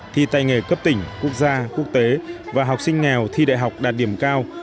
thi tay nghề cấp tỉnh quốc gia quốc tế và học sinh nghèo thi đại học đạt điểm cao